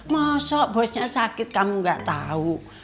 masuk bosnya sakit kamu gak tahu